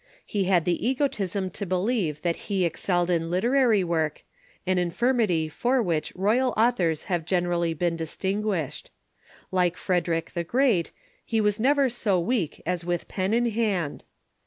He had the egotism to believe that he excelled in literary work, an infirmity for which royal authors have generally been dis tinguished. Like Frederick the Great, he was never so weak as with pen in hand.